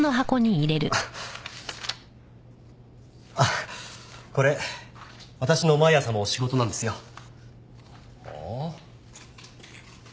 ああこれ私の毎朝の仕事なんですよ。ああ。